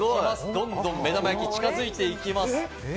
どんどん目玉焼きに近づいていきます。